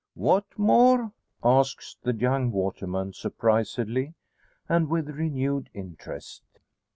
"What more?" asks the young waterman, suprisedly, and with renewed interest.